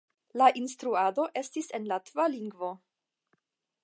La instruado estis en latva lingvo.